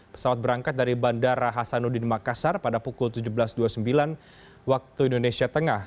pesawat berangkat dari bandara hasanuddin makassar pada pukul tujuh belas dua puluh sembilan waktu indonesia tengah